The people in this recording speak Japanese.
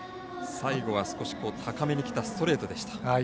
最後は少し高めにきたストレートでした。